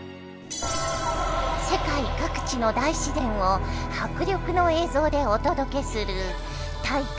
世界各地の大自然を迫力の映像でお届けする「体感！